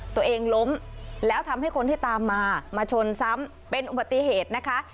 ล้มแล้วทำให้คนที่ตามมามาชนซ้ำเป็นอุบัติเหตุนะคะ